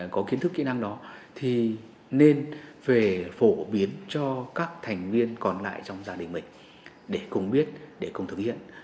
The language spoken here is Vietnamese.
có kiến thức kỹ năng đó thì nên về phổ biến cho các thành viên còn lại trong gia đình mình để cùng biết để cùng thực hiện